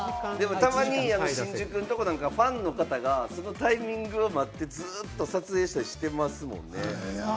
たまに新宿とかでファンの方がタイミングを待って、ずっと撮影したりしてますもんね。